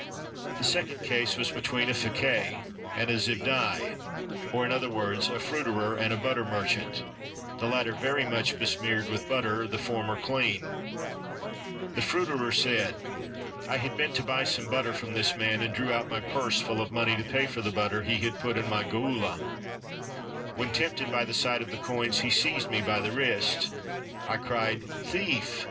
The second case was between a.fekai and a zibdai, or, in other words, a fruiterer and a butter merchant — the latter very much besmeared with butter; the former clean. 530 JUSTICE IN ARABIA The fruiterer said, "I had been to buy some butter from this man, and drew out my purse full of money to pay for the butter he had put in my goulla, when, tempted by the sight of the coins, he seized me by the wrist. I cried 'Thief!'